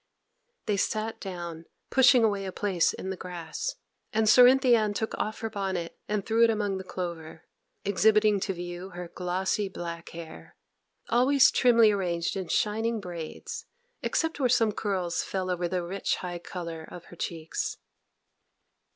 They sat down, pushing away a place in the grass; and Cerinthy Ann took off her bonnet, and threw it among the clover, exhibiting to view her glossy black hair, always trimly arranged in shining braids, except where some curls fell over the rich, high colour of her cheeks.